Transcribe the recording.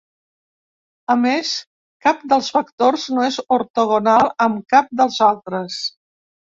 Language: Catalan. A més, cap dels vectors no és ortogonal amb cap dels altres.